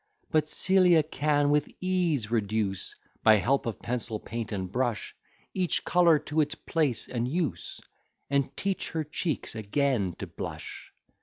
But Celia can with ease reduce, By help of pencil, paint, and brush, Each colour to its place and use, And teach her cheeks again to blush.